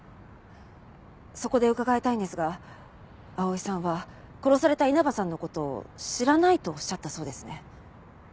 そこで伺いたいんですが碧さんは殺された稲葉さんの事を知らないとおっしゃったそうですね。